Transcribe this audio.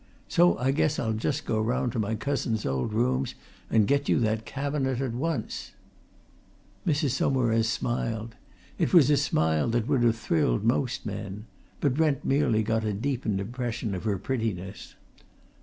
So I guess I'll just go round to my cousin's old rooms and get you that cabinet at once." Mrs. Saumarez smiled. It was a smile that would have thrilled most men. But Brent merely got a deepened impression of her prettiness.